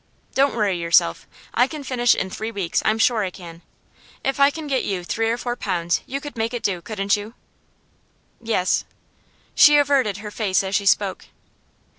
Don't worry yourself; I can finish in three weeks, I'm sure I can. If I can get you three or four pounds you could make it do, couldn't you?' 'Yes.' She averted her face as she spoke.